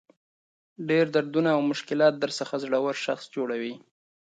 ډېر دردونه او مشکلات درڅخه زړور شخص جوړوي.